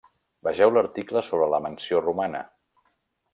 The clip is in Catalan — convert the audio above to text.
Vegeu l'article sobre la mansió romana.